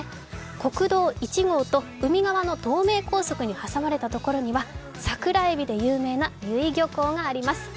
国道１号と海側の東名高速に挟まれた所には桜えびで有名な由比漁港があります。